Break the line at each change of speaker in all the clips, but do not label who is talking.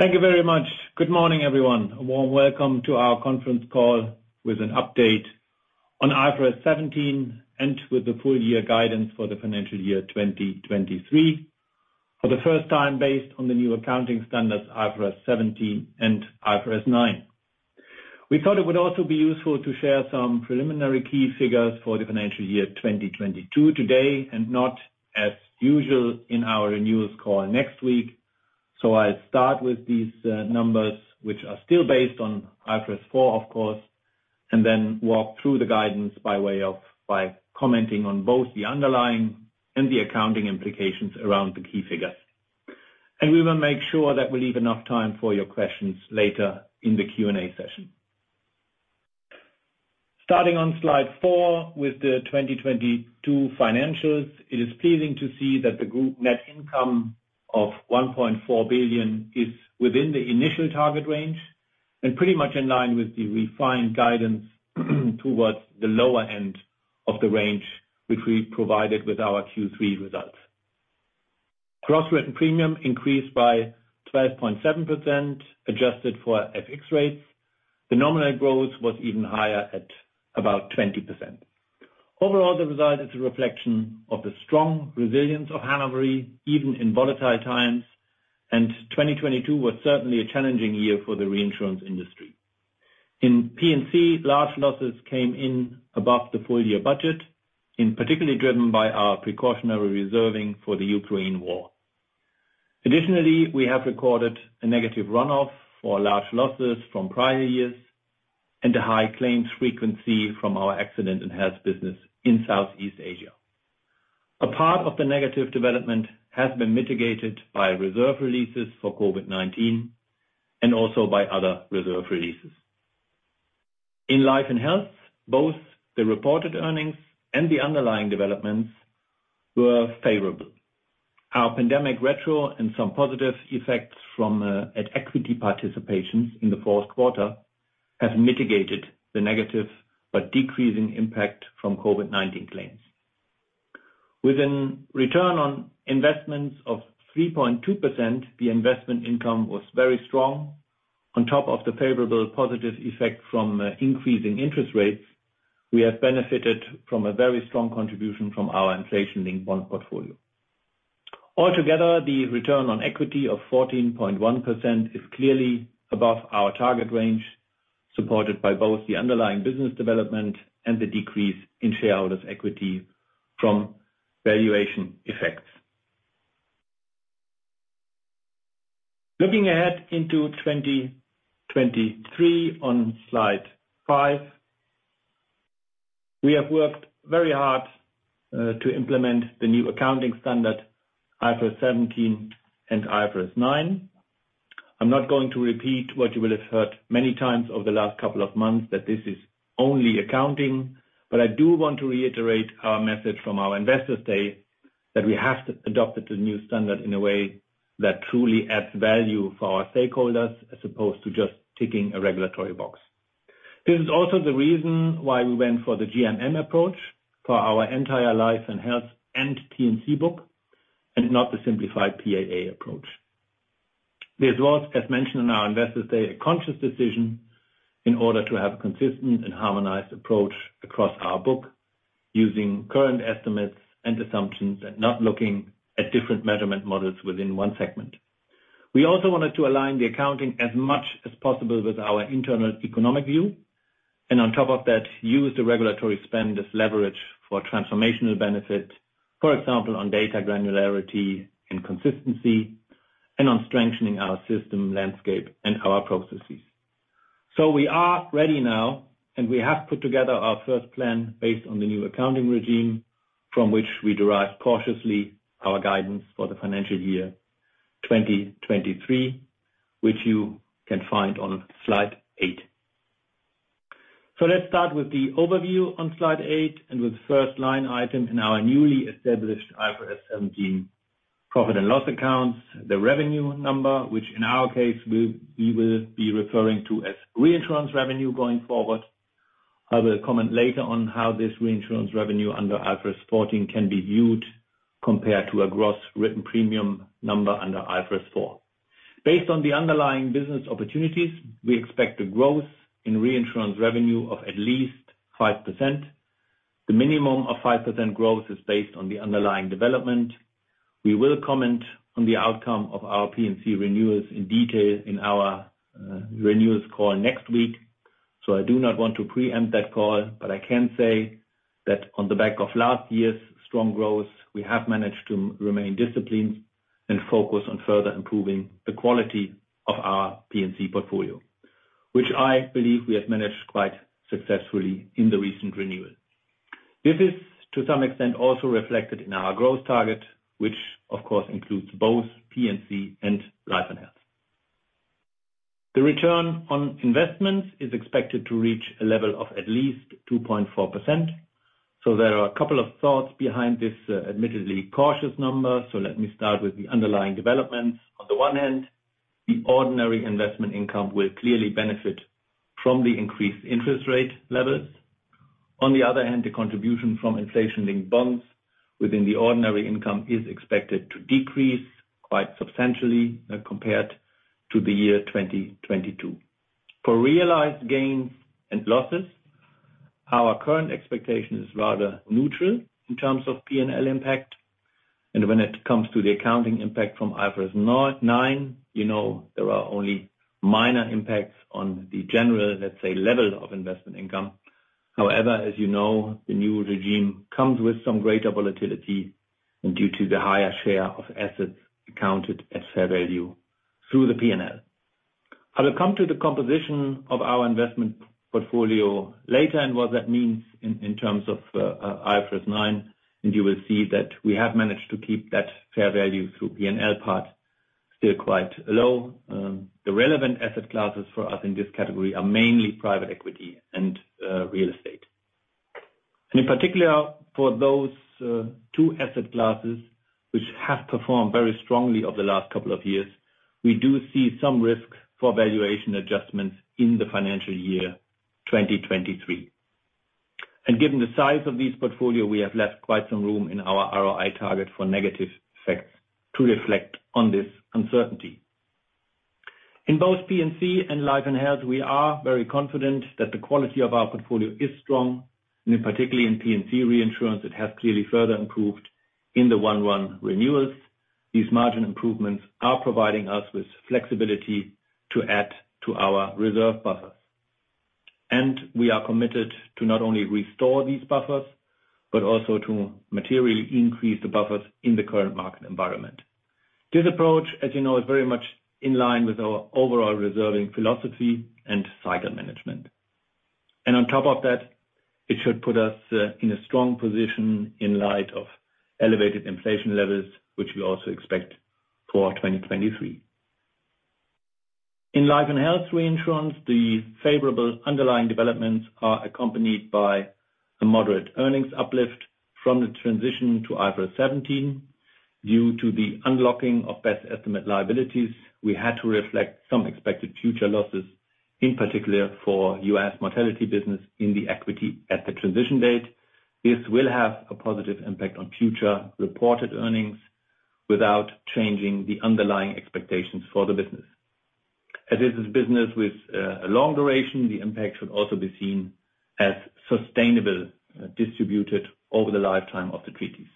Thank you very much. Good morning, everyone. A warm welcome to our conference call with an update on IFRS 17 and with the full year guidance for the financial year 2023. For the first time, based on the new accounting standards, IFRS 17 and IFRS 9. We thought it would also be useful to share some preliminary key figures for the financial year 2022 today, and not as usual in our renewals call next week. I'll start with these numbers which are still based on IFRS 4, of course, and then walk through the guidance by commenting on both the underlying and the accounting implications around the key figures. We will make sure that we leave enough time for your questions later in the Q&A session. Starting on slide four with the 2022 financials, it is pleasing to see that the group net income of 1.4 billion is within the initial target range and pretty much in line with the refined guidance towards the lower end of the range, which we provided with our Q3 results. Gross written premium increased by 12.7% adjusted for FX rates. The nominal growth was even higher at about 20%. Overall, the result is a reflection of the strong resilience of Hannover, even in volatile times, and 2022 was certainly a challenging year for the reinsurance industry. In P&C, large losses came in above the full-year budget, and particularly driven by our precautionary reserving for the Ukraine war. Additionally, we have recorded a negative run-off for large losses from prior years and a high claims frequency from our accident and health business in Southeast Asia. A part of the negative development has been mitigated by reserve releases for COVID-19 and also by other reserve releases. In life and health, both the reported earnings and the underlying developments were favorable. Our pandemic retro and some positive effects from at equity participations in the Q4 have mitigated the negative but decreasing impact from COVID-19 claims. Within return on investments of 3.2%, the investment income was very strong. On top of the favorable positive effect from increasing interest rates, we have benefited from a very strong contribution from our inflation-linked bond portfolio. Altogether, the return on equity of 14.1% is clearly above our target range, supported by both the underlying business development and the decrease in shareholders' equity from valuation effects. Looking ahead into 2023 on slide five. We have worked very hard to implement the new accounting standard, IFRS 17 and IFRS 9. I'm not going to repeat what you will have heard many times over the last couple of months that this is only accounting, but I do want to reiterate our message from our investors day that we have to adopt it to the new standard in a way that truly adds value for our stakeholders, as opposed to just ticking a regulatory box. This is also the reason why we went for the GMM approach for our entire life and health and P&C book, and not the simplified PAA approach. This was, as mentioned in our investors day, a conscious decision in order to have a consistent and harmonized approach across our book using current estimates and assumptions, and not looking at different measurement models within one segment. We also wanted to align the accounting as much as possible with our internal economic view. On top of that, use the regulatory spend as leverage for transformational benefit. For example, on data granularity and consistency, and on strengthening our system landscape and our processes. We are ready now, and we have put together our first plan based on the new accounting regime, from which we derive cautiously our guidance for the financial year 2023, which you can find on slide eight. Let's start with the overview on slide eight and with the first line item in our newly established IFRS 17 profit and loss accounts, the revenue number, which in our case, we will be referring to as reinsurance revenue going forward. I will comment later on how this reinsurance revenue under IFRS 14 can be viewed compared to a gross written premium number under IFRS 4. Based on the underlying business opportunities, we expect a growth in reinsurance revenue of at least 5%. The minimum of 5% growth is based on the underlying development. We will comment on the outcome of our P&C renewals in detail in our renewals call next week. I do not want to preempt that call, but I can say that on the back of last year's strong growth, we have managed to remain disciplined and focus on further improving the quality of our P&C portfolio. Which I believe we have managed quite successfully in the recent renewal. This is to some extent, also reflected in our growth target, which of course includes both P&C and life and health. The return on investments is expected to reach a level of at least 2.4%. There are a couple of thoughts behind this admittedly cautious number. Let me start with the underlying developments. On the one hand, the ordinary investment income will clearly benefit from the increased interest rate levels. On the other hand, the contribution from inflation-linked bonds within the ordinary income is expected to decrease quite substantially compared to the year 2022. For realized gains and losses, our current expectation is rather neutral in terms of P&L impact. When it comes to the accounting impact from IFRS 9, you know, there are only minor impacts on the general, let's say, level of investment income. As you know, the new regime comes with some greater volatility due to the higher share of assets accounted at fair value through the P&L. I will come to the composition of our investment portfolio later and what that means in terms of IFRS 9, and you will see that we have managed to keep that fair value through P&L part still quite low. The relevant asset classes for us in this category are mainly private equity and real estate. In particular, for those two asset classes which have performed very strongly over the last couple of years, we do see some risk for valuation adjustments in the financial year 2023. Given the size of this portfolio, we have left quite some room in our ROI target for negative effects to reflect on this uncertainty. In both P&C and life and health, we are very confident that the quality of our portfolio is strong, and in particularly in P&C reinsurance, it has clearly further improved in the 1/1 renewals. These margin improvements are providing us with flexibility to add to our reserve buffers. We are committed to not only restore these buffers, but also to materially increase the buffers in the current market environment. This approach, as you know, is very much in line with our overall reserving philosophy and cycle management. On top of that, it should put us in a strong position in light of elevated inflation levels, which we also expect for 2023. In life and health reinsurance, the favorable underlying developments are accompanied by a moderate earnings uplift from the transition to IFRS 17. Due to the unlocking of best estimate liabilities, we had to reflect some expected future losses, in particular for U.S. mortality business in the equity at the transition date. This will have a positive impact on future reported earnings without changing the underlying expectations for the business. As it is business with a long duration, the impact should also be seen as sustainable, distributed over the lifetime of the treaties.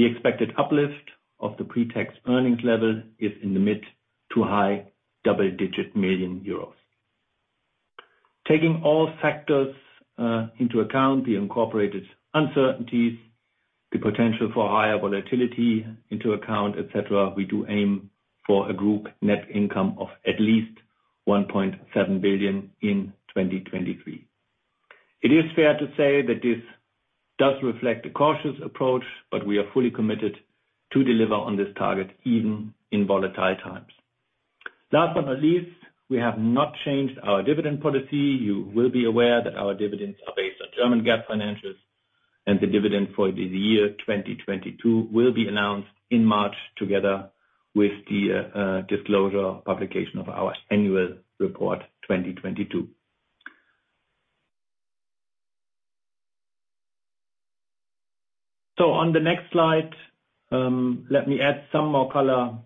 The expected uplift of the pre-tax earnings level is in the mid to high double-digit million euros. Taking all factors into account, the incorporated uncertainties, the potential for higher volatility into account, et cetera, we do aim for a group net income of at least 1.7 billion in 2023. It is fair to say that this does reflect a cautious approach, but we are fully committed to deliver on this target, even in volatile times. Last but not least, we have not changed our dividend policy. You will be aware that our dividends are based on German GAAP financials, the dividend for the year 2022 will be announced in March together with the disclosure publication of our annual report 2022. On the next slide, let me add some more color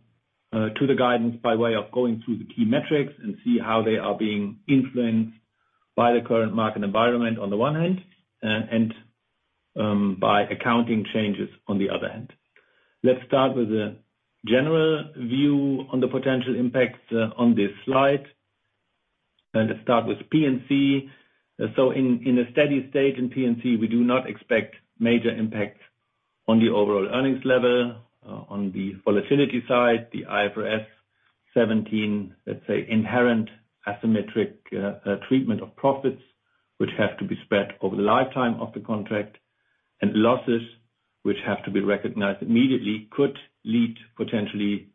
to the guidance by way of going through the key metrics and see how they are being influenced by the current market environment on the one hand, and by accounting changes on the other hand. Let's start with the general view on the potential impacts on this slide. Let's start with P&C. In a steady state in P&C, we do not expect major impacts on the overall earnings level. On the volatility side, the IFRS 17, let's say, inherent asymmetric treatment of profits, which have to be spread over the lifetime of the contract, and losses which have to be recognized immediately, could lead potentially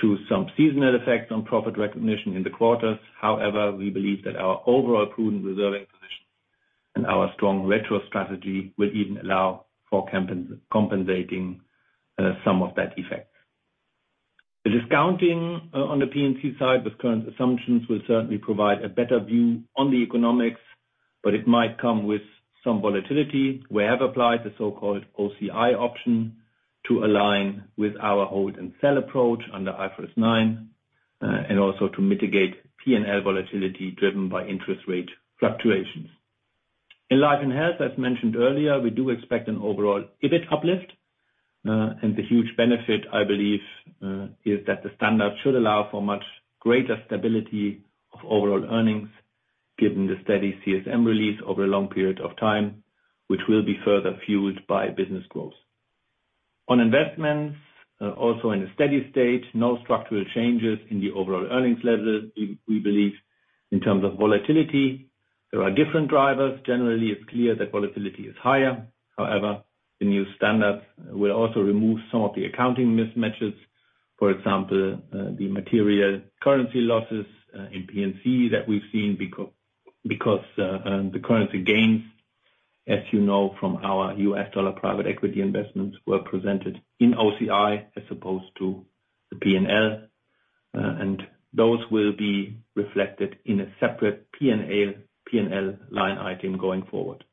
to some seasonal effects on profit recognition in the quarters. However, we believe that our overall prudent reserving position and our strong retro strategy will even allow for compensating some of that effect. The discounting on the P&C side with current assumptions will certainly provide a better view on the economics, but it might come with some volatility. We have applied the so-called OCI option to align with our hold and sell approach under IFRS 9 and also to mitigate P&L volatility driven by interest rate fluctuations. In life and health, as mentioned earlier, we do expect an overall EBIT uplift. The huge benefit, I believe, is that the standard should allow for much greater stability of overall earnings, given the steady CSM release over a long period of time, which will be further fueled by business growth. On investments, also in a steady state, no structural changes in the overall earnings level. We believe in terms of volatility, there are different drivers. Generally, it's clear that volatility is higher. However, the new standards will also remove some of the accounting mismatches. For example, the material currency losses in P&C that we've seen because the currency gains, as you know, from our U.S. dollar private equity investments were presented in OCI as opposed to the P&L. Those will be reflected in a separate P&L line item going forward.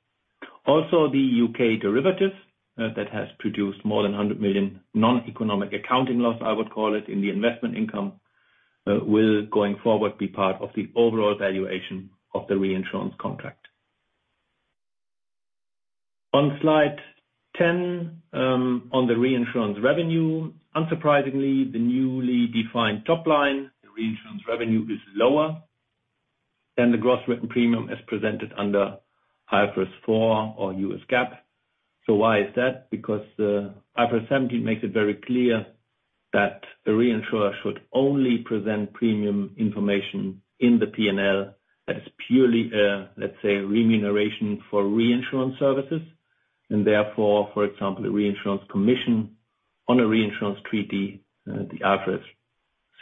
Also, the U.K. derivatives that has produced more than 100 million noneconomic accounting loss, I would call it, in the investment income, will going forward, be part of the overall valuation of the reinsurance contract. On slide 10, on the reinsurance revenue, unsurprisingly, the newly defined top line, the reinsurance revenue is lower than the gross written premium as presented under IFRS 4 or U.S. GAAP. Why is that? IFRS 17 makes it very clear that the reinsurer should only present premium information in the P&L that is purely, let's say, remuneration for reinsurance services. Therefore, for example, a reinsurance commission on a reinsurance treaty, the IFRS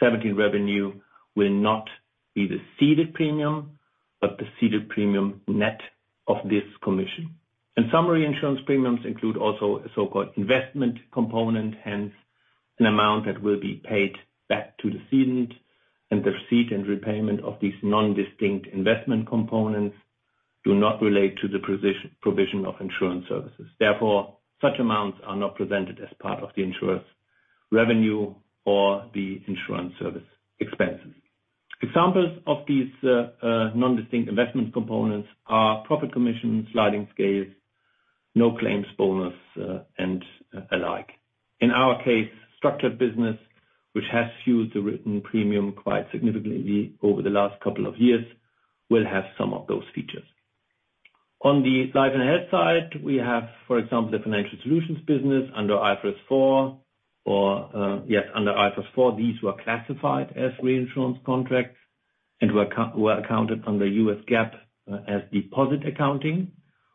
17 revenue will not be the ceded premium, but the ceded premium net of this commission. In some reinsurance premiums include also a so-called investment component, hence an amount that will be paid back to the cedant and repayment of these non-distinct investment components do not relate to the provision of insurance services. Therefore, such amounts are not presented as part of the insurer's revenue or the insurance service expenses. Examples of these non-distinct investment components are profit commission, sliding scales, no claims bonus, and alike. In our case, structured business, which has fueled the written premium quite significantly over the last couple of years, will have some of those features. On the life and health side, we have, for example, the Financial Solutions business under IFRS 4 or, yeah, under IFRS 4, these were classified as reinsurance contracts and were accounted under U.S. GAAP, as deposit accounting,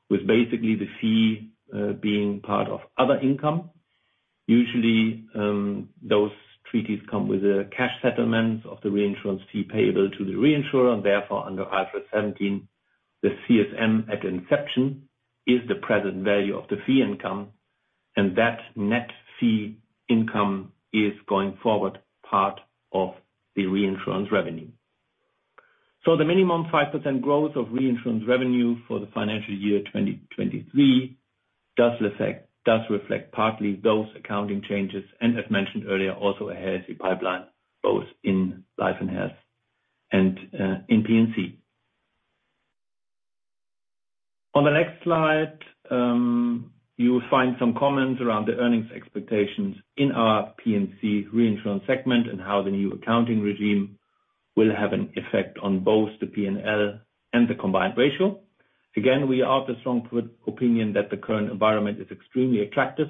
with basically the fee being part of other income. Usually, those treaties come with a cash settlement of the reinsurance fee payable to the reinsurer, and therefore, under IFRS 17, the CSM at inception is the present value of the fee income, and that net fee income is going forward part of the reinsurance revenue. The minimum 5% growth of reinsurance revenue for the financial year 2023 does reflect partly those accounting changes. As mentioned earlier, also a healthy pipeline, both in life and health and in P&C. On the next slide, you will find some comments around the earnings expectations in our P&C reinsurance segment and how the new accounting regime will have an effect on both the P&L and the combined ratio. Again, we are of the strong opinion that the current environment is extremely attractive,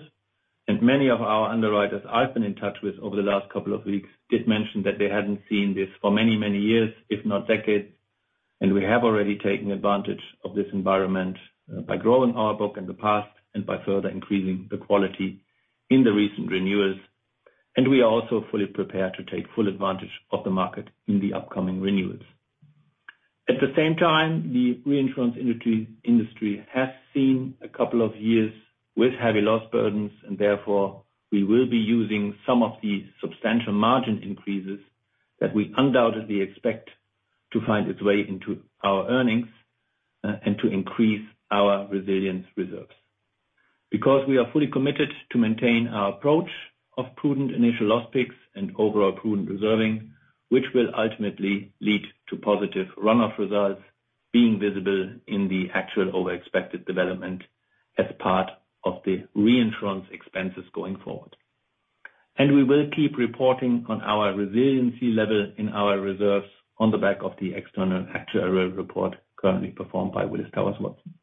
and many of our underwriters I've been in touch with over the last couple of weeks did mention that they hadn't seen this for many, many years, if not decades. We have already taken advantage of this environment by growing our book in the past and by further increasing the quality in the recent renewals. We are also fully prepared to take full advantage of the market in the upcoming renewals. At the same time, the reinsurance industry has seen a couple of years with heavy loss burdens. Therefore, we will be using some of these substantial margin increases that we undoubtedly expect to find its way into our earnings and to increase our resilience reserves. We are fully committed to maintain our approach of prudent initial loss picks and overall prudent reserving, which will ultimately lead to positive run-off results being visible in the actual over expected development as part of the reinsurance expenses going forward. We will keep reporting on our resiliency level in our reserves on the back of the external actuarial report currently performed by Willis Towers Watson.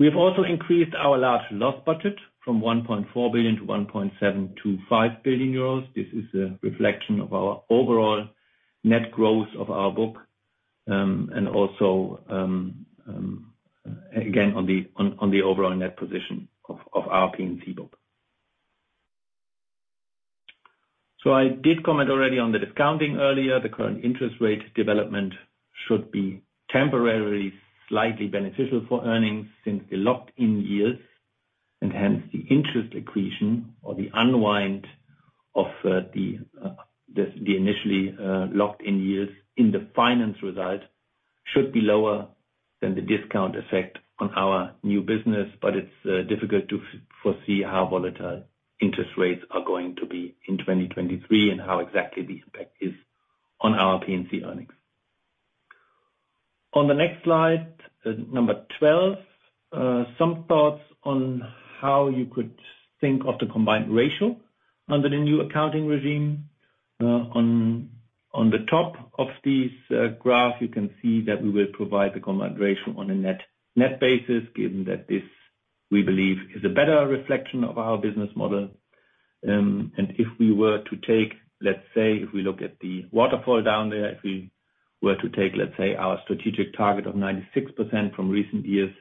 We have also increased our large loss budget from 1.4 billion-1.725 billion euros. This is a reflection of our overall net growth of our book, and also, again, on the overall net position of our P&C book. I did comment already on the discounting earlier. The current interest rate development should be temporarily slightly beneficial for earnings since the locked-in years, and hence the interest accretion or the unwind of the initially locked-in years in the finance result should be lower than the discount effect on our new business. It's difficult to foresee how volatile interest rates are going to be in 2023 and how exactly the impact is on our P&C earnings. On the next slide, number 12, some thoughts on how you could think of the combined ratio under the new accounting regime. On the top of this graph, you can see that we will provide the combined ratio on a net basis, given that this, we believe, is a better reflection of our business model. If we were to take, let's say, if we look at the waterfall down there, if we were to take, let's say, our strategic target of 96% from recent years,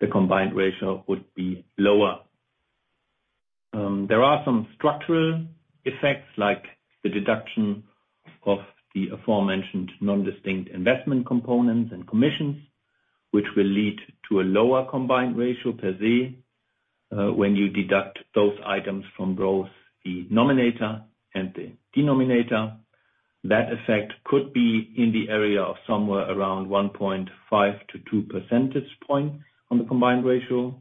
the combined ratio would be lower. There are some structural effects, like the deduction of the aforementioned non-distinct investment components and commissions, which will lead to a lower combined ratio per se. When you deduct those items from both the nominator and the denominator, that effect could be in the area of somewhere around 1.5-2 percentage point on the combined ratio.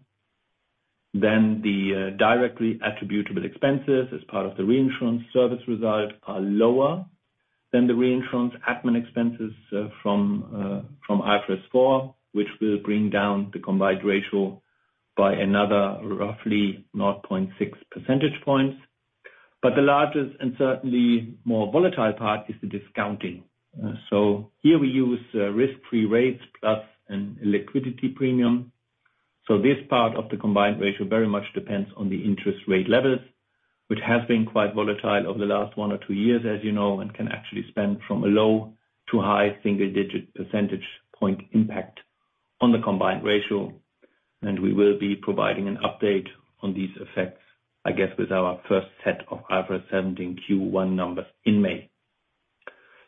The directly attributable expenses as part of the reinsurance service result are lower than the reinsurance admin expenses from IFRS 4, which will bring down the combined ratio by another roughly 0.6 percentage points. The largest and certainly more volatile part is the discounting. Here we use risk-free rates plus an illiquidity premium. This part of the combined ratio very much depends on the interest rate levels, which has been quite volatile over the last one or two years, as you know, and can actually spend from a low to high single digit percentage point impact on the combined ratio. We will be providing an update on these effects, I guess, with our first set of IFRS 17 Q1 numbers in May.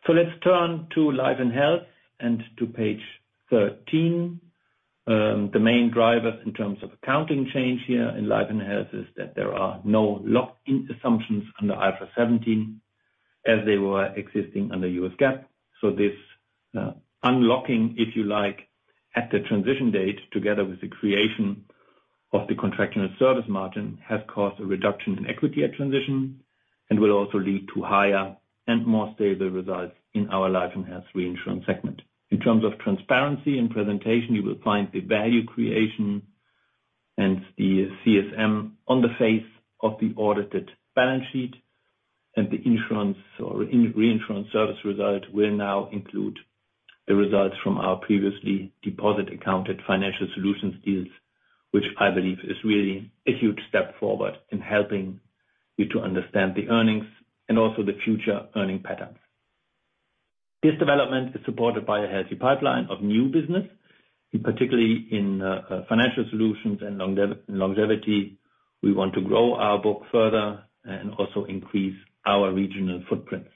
Let's turn to Life and Health and to page 13. The main driver in terms of accounting change here in Life and Health is that there are no locked-in assumptions under IFRS 17 as they were existing under U.S. GAAP. This unlocking, if you like, at the transition date, together with the creation of the contractual service margin, has caused a reduction in equity at transition and will also lead to higher and more stable results in our Life and Health reinsurance segment. In terms of transparency and presentation, you will find the value creation and the CSM on the face of the audited balance sheet. The insurance or in-reinsurance service result will now include the results from our previously deposit accounted Financial Solutions deals, which I believe is really a huge step forward in helping you to understand the earnings and also the future earning patterns. This development is supported by a healthy pipeline of new business, particularly in financial solutions and longevity. We want to grow our book further and also increase our regional footprint.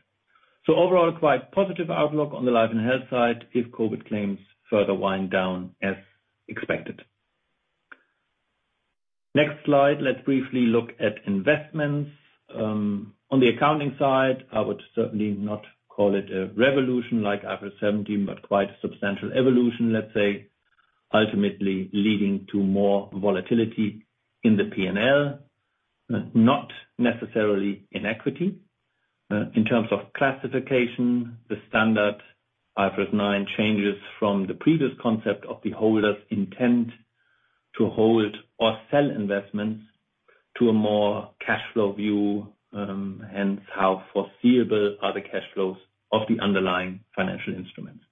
Overall, quite positive outlook on the Life and Health side if COVID claims further wind down as expected. Next slide. Let's briefly look at investments. On the accounting side, I would certainly not call it a revolution like IFRS 17, but quite a substantial evolution, let's say, ultimately leading to more volatility in the P&L, not necessarily in equity. In terms of classification, the standard IFRS 9 changes from the previous concept of the holder's intent to hold or sell investments to a more cash flow view, hence how foreseeable are the cash flows of the underlying financial instruments.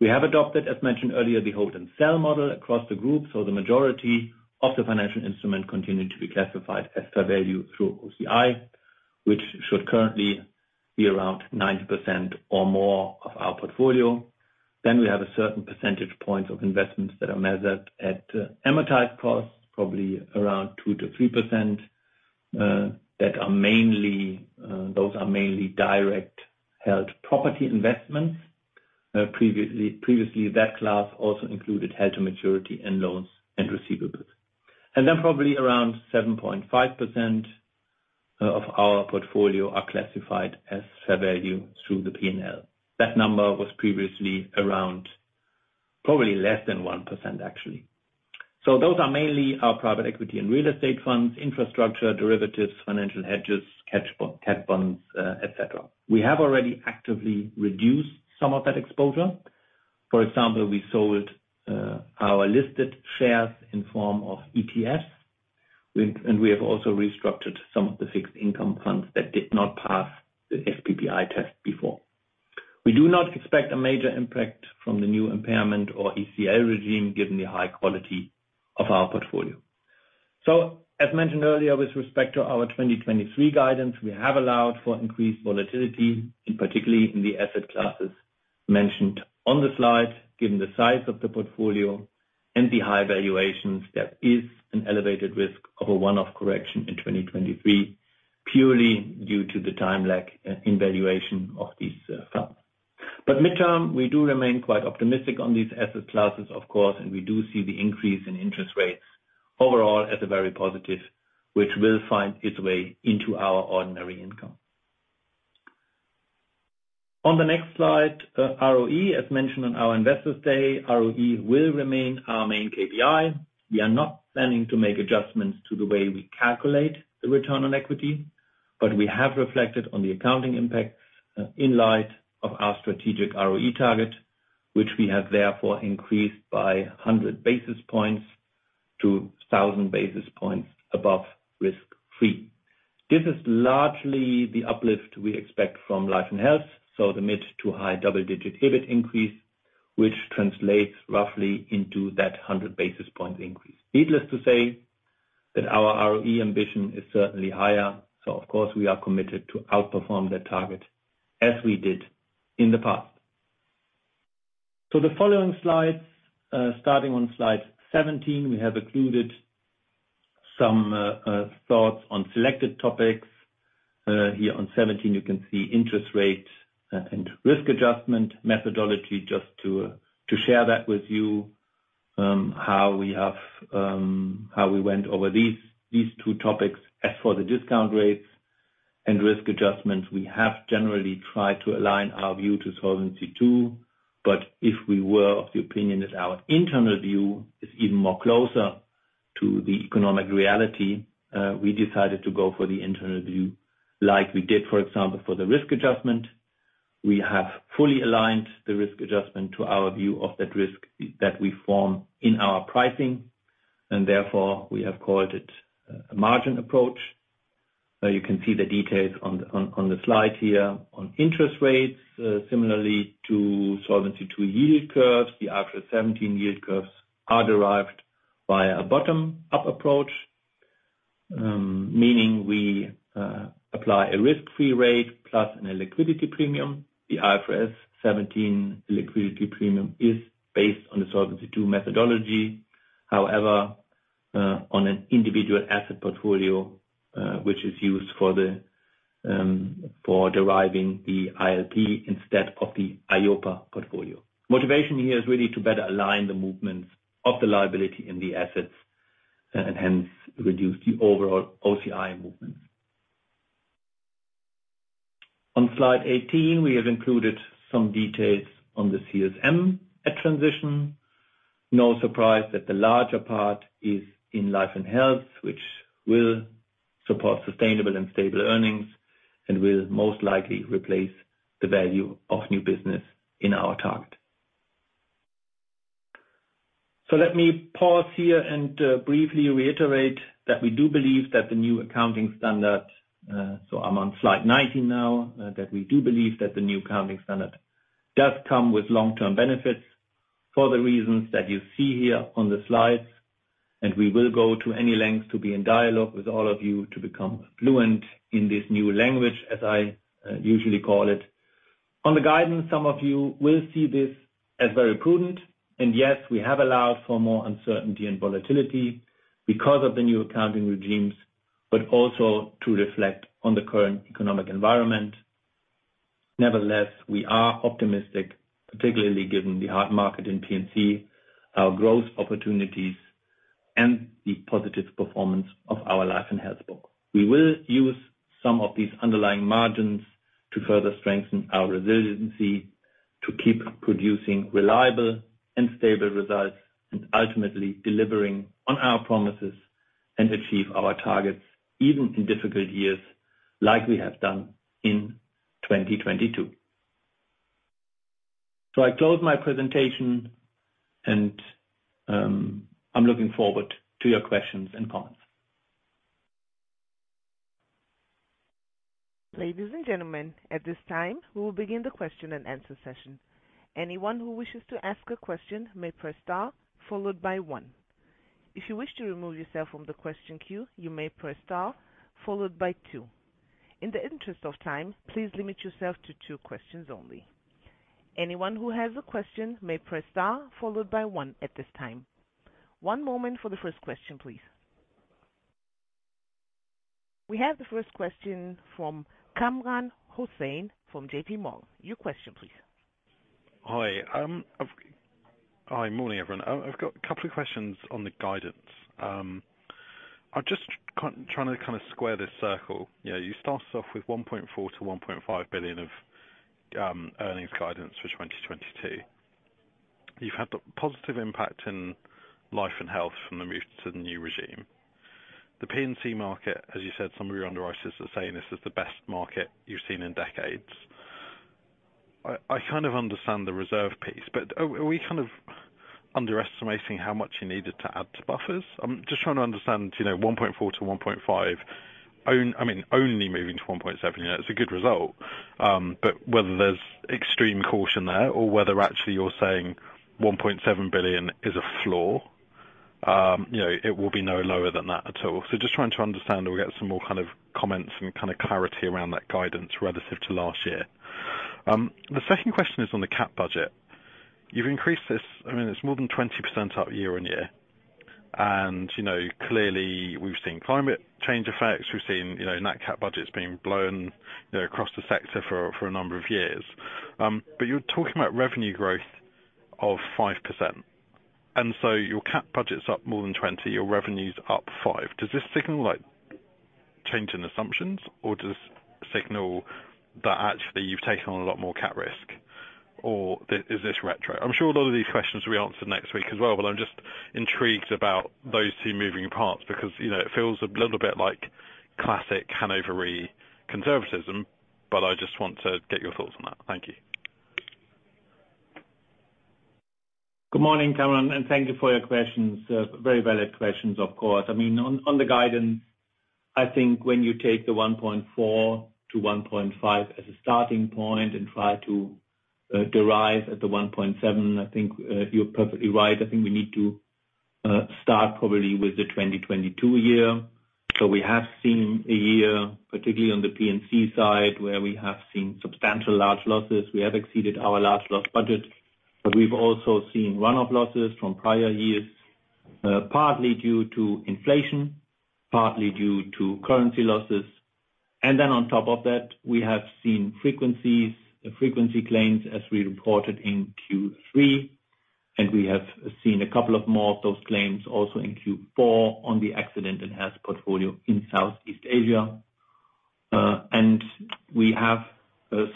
We have adopted, as mentioned earlier, the hold and sell model across the group. The majority of the financial instrument continue to be classified as fair value through OCI, which should currently be around 90% or more of our portfolio. We have a certain percentage points of investments that are measured at amortized cost, probably around 2%-3%, that are mainly direct held property investments. Previously, that class also included held to maturity and loans and receivables. Probably around 7.5% of our portfolio are classified as fair value through the P&L. That number was previously around probably less than 1%, actually. Those are mainly our private equity and real estate funds, infrastructure, derivatives, financial hedges, cat bonds, et cetera. We have already actively reduced some of that exposure. For example, we sold our listed shares in form of ETFs. We have also restructured some of the fixed income funds that did not pass the SPPI test before. We do not expect a major impact from the new impairment or ECL regime, given the high quality of our portfolio. As mentioned earlier, with respect to our 2023 guidance, we have allowed for increased volatility, and particularly in the asset classes mentioned on the slide. Given the size of the portfolio and the high valuations, there is an elevated risk of a one-off correction in 2023 purely due to the time lag in valuation of these funds. Midterm, we do remain quite optimistic on these asset classes, of course, and we do see the increase in interest rates overall as a very positive, which will find its way into our ordinary income. On the next slide, ROE. As mentioned on our Investors Day, ROE will remain our main KPI. We are not planning to make adjustments to the way we calculate the return on equity, but we have reflected on the accounting impact, in light of our strategic ROE target, which we have therefore increased by 100 basis points to 1,000 basis points above risk-free. This is largely the uplift we expect from Life and Health, so the mid to high double-digit EBIT increase, which translates roughly into that 100 basis points increase. Needless to say that our ROE ambition is certainly higher. Of course, we are committed to outperform that target as we did in the past. The following slides, starting on slide 17, we have included some thoughts on selected topics. Here on 17, you can see interest rate and risk adjustment methodology, just to share that with you, how we went over these two topics. As for the discount rates and risk adjustments, we have generally tried to align our view to Solvency II. If we were of the opinion that our internal view is even more closer to the economic reality, we decided to go for the internal view like we did, for example, for the risk adjustment. We have fully aligned the risk adjustment to our view of that risk that we form in our pricing, and therefore we have called it a margin approach. You can see the details on the slide here. On interest rates, similarly to Solvency II yield curves, the IFRS 17 yield curves are derived by a bottom-up approach. Meaning we apply a risk-free rate plus an illiquidity premium. The IFRS 17 liquidity premium is based on the Solvency II methodology. On an individual asset portfolio, which is used for deriving the ILP instead of the EIOPA portfolio. Motivation here is really to better align the movements of the liability in the assets and hence reduce the overall OCI movements. On slide 18, we have included some details on the CSM at transition. No surprise that the larger part is in life and health, which will support sustainable and stable earnings and will most likely replace the value of new business in our target. Let me pause here and briefly reiterate that we do believe that the new accounting standard. So I'm on slide 19 now. We do believe that the new accounting standard does come with long-term benefits for the reasons that you see here on the slides. We will go to any length to be in dialogue with all of you to become fluent in this new language, as I usually call it. On the guidance, some of you will see this as very prudent. Yes, we have allowed for more uncertainty and volatility because of the new accounting regimes, but also to reflect on the current economic environment. Nevertheless, we are optimistic, particularly given the hard market in P&C, our growth opportunities, and the positive performance of our life and health book. We will use some of these underlying margins to further strengthen our resiliency, to keep producing reliable and stable results. Ultimately delivering on our promises and achieve our targets, even in difficult years like we have done in 2022. I close my presentation and I'm looking forward to your questions and comments.
Ladies and gentlemen, at this time, we will begin the question and answer session. Anyone who wishes to ask a question may press star followed by one. If you wish to remove yourself from the question queue, you may press star followed by two. In the interest of time, please limit yourself to two questions only. Anyone who has a question may press star followed by one at this time. One moment for the first question, please. We have the first question from Kamran Hossain from JP Morgan. Your question please.
Hi. Morning, everyone. I've got a couple of questions on the guidance. I'm just trying to square this circle. You started off with 1.4-1.5 billion of earnings guidance for 2022. You've had the positive impact in life and health from the move to the new regime. The P&C market, as you said, some of your underwriters are saying this is the best market you've seen in decades. I kind of understand the reserve piece, but are we kind of underestimating how much you needed to add to buffers? I'm just trying to understand, you know, 1.4-1.5, I mean, only moving to 1.7. You know, it's a good result. But whether there's extreme caution there or whether actually you're saying 1.7 billion is a floor, you know, it will be no lower than that at all. Just trying to understand, or we get some more kind of comments and kinda clarity around that guidance relative to last year? The second question is on the cat budget. You've increased this. I mean, it's more than 20% up year-over-year. You know, clearly we've seen climate change effects. We've seen, you know, net cat budgets being blown, you know, across the sector for a number of years. But you're talking about revenue growth of 5%. Your cat budget's up more than 20, your revenue's up five. Does this signal, like, change in assumptions or does this signal that actually you've taken on a lot more cat risk? Is this retro? I'm sure a lot of these questions will be answered next week as well. I'm just intrigued about those two moving parts because, you know, it feels a little bit like classic Hannover Re conservatism. I just want to get your thoughts on that. Thank you.
Good morning, Kamran, thank you for your questions. Very valid questions, of course. I mean, on the guidance, I think when you take the 1.4-1.5 as a starting point and try to derive at the 1.7, I think you're perfectly right. I think we need to start probably with the 2022 year. We have seen a year, particularly on the P&C side, where we have seen substantial large losses. We have exceeded our large loss budget. We've also seen run of losses from prior years. Partly due to inflation, partly due to currency losses. Then on top of that, we have seen frequencies, the frequency claims as we reported in Q3, and we have seen a couple of more of those claims also in Q4 on the accident and health portfolio in Southeast Asia. We have,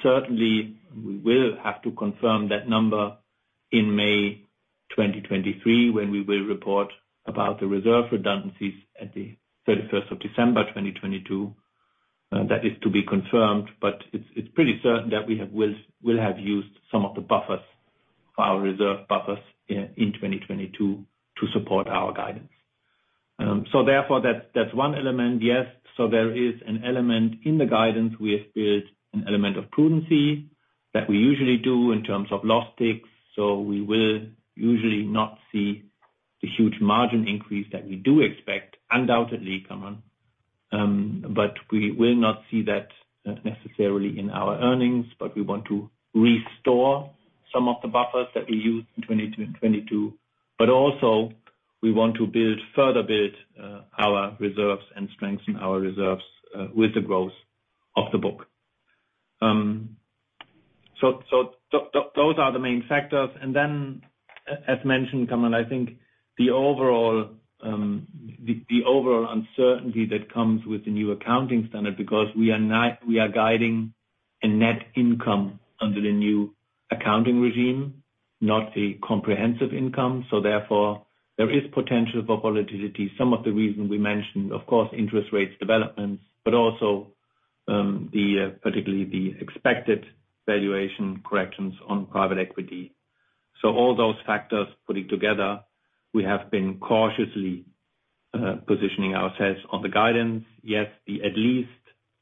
certainly we will have to confirm that number in May 2023 when we will report about the reserve redundancies at the 31st of December 2022. That is to be confirmed, but it's pretty certain that we'll have used some of the buffers, our reserve buffers in 2022 to support our guidance. Therefore that's one element, yes. There is an element in the guidance. We have built an element of prudency that we usually do in terms of loss ticks. We will usually not see the huge margin increase that we do expect undoubtedly, Kamal, but we will not see that necessarily in our earnings. We want to restore some of the buffers that we used in 22 and 22. Also we want to build, further build, our reserves and strengthen our reserves with the growth of the book. Those are the main factors. Then as mentioned, Kamal, I think the overall, the overall uncertainty that comes with the new accounting standard because we are guiding a net income under the new accounting regime, not the comprehensive income. Therefore there is potential for volatility. Some of the reasons we mentioned, of course, interest rates developments, but also, the, particularly the expected valuation corrections on private equity. All those factors putting together, we have been cautiously positioning ourselves on the guidance. Yes, the at least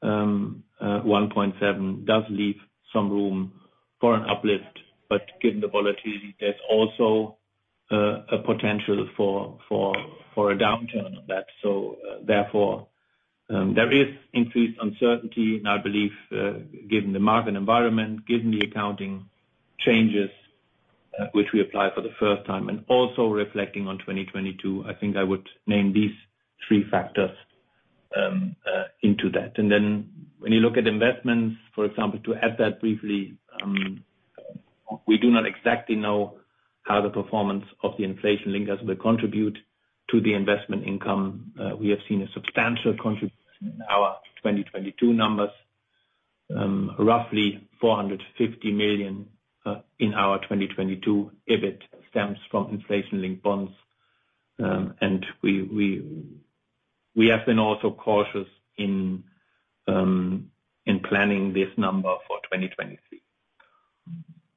1.7 does leave some room for an uplift, but given the volatility, there's also a potential for a downturn on that. Therefore, there is increased uncertainty and I believe, given the market environment, given the accounting changes, which we apply for the first time and also reflecting on 2022, I think I would name these three factors into that. When you look at investments, for example, to add that briefly, we do not exactly know how the performance of the inflation linkers will contribute to the investment income. We have seen a substantial contribution in our 2022 numbers. Roughly 450 million in our 2022 EBIT stems from inflation-linked bonds. We have been also cautious in planning this number for 2023.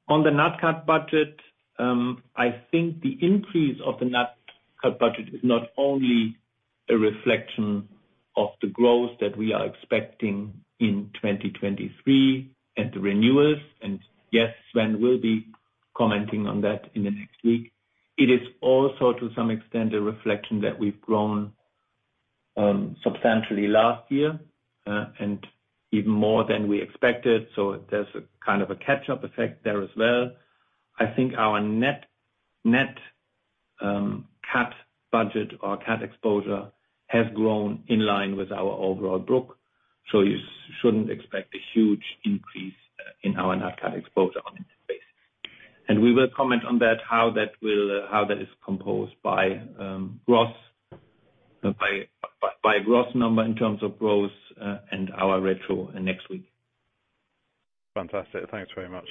On the net CAT budget, I think the increase of the net CAT budget is not only a reflection of the growth that we are expecting in 2023 and the renewals. Yes, Sven will be commenting on that in the next week. It is also, to some extent, a reflection that we've grown substantially last year and even more than we expected. There's a kind of a catch-up effect there as well. I think our net CAT budget or CAT exposure has grown in line with our overall book, you shouldn't expect a huge increase in our net CAT exposure on an in-base. We will comment on that, how that is composed by gross number in terms of growth, and our retro next week.
Fantastic. Thanks very much.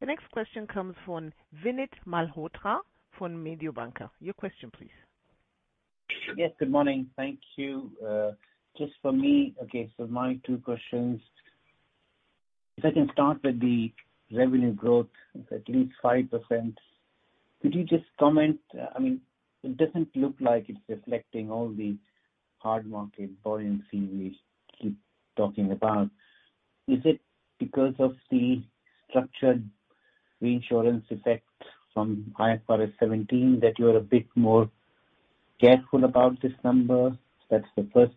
The next question comes from Vinit Malhotra from Mediobanca. Your question please.
Yes, good morning. Thank you. Just for me, okay, my two questions. If I can start with the revenue growth of at least 5%. Could you just comment? I mean, it doesn't look like it's reflecting all the hard market buoyancy we keep talking about. Is it because of the structured reinsurance effect from IFRS 17 that you're a bit more careful about this number? That's the first